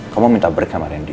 kau mau minta break sama randy